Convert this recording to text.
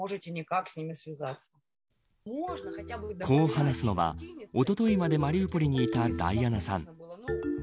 こう話すのは、おとといまでマリウポリにいたダイアナさん。